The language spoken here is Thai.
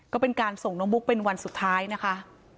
ก็เป็นการส่งน้องบุ๊กเป็นวันสุดท้ายนะคะ